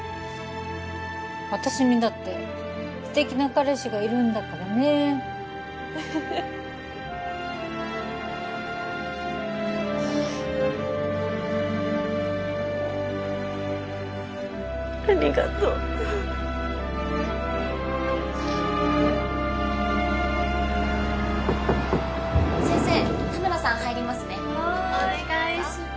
私にだって素敵な彼氏がいるんだからねありがとう先生田村さん入りますねどうぞはいお願いします